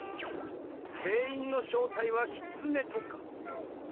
店員の正体はきつねとか？